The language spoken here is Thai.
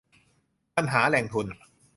ปัญหาแหล่งทุน